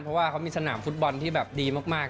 เพราะว่าเขามีสนามฟุตบอลที่แบบดีมาก